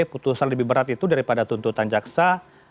putusan lebih berat itu daripada tuntutan jaksa